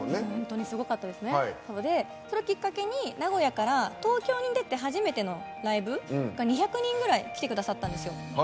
それをきっかけに名古屋から東京に出て初めてのライブが２００人ぐらい来てくださったんですよ。